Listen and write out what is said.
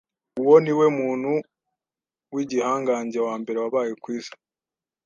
Uwo ni we muntu w igihangange wa mbere wabaye ku isi